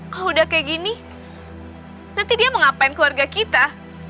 kalau udah kayak gini nanti dia mau ngapain keluarga kita